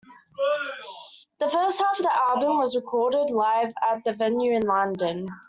The first half of the album was recorded live at The Venue in London.